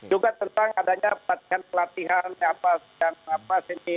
juga tentang adanya latihan pelatihan apa